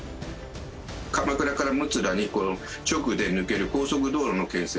鎌倉から六浦に直で抜ける高速道路の建設。